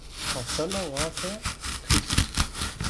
Xaftela va ke xîsk